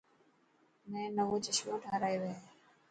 مين نوو چشمو ٺارايو هي.